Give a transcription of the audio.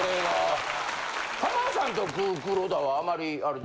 浜田さんと黒田はあまりあれ。